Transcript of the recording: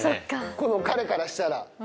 この彼からしたら。